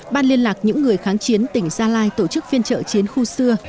ban liên lạc những người kháng chiến tỉnh gia lai tổ chức phiên trợ chiến khu xưa